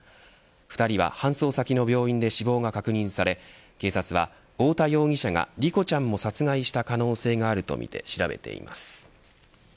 ２人は搬送先の病院で死亡が確認され警察は太田容疑者が梨心ちゃんを殺害した可能性があるとみて調べています。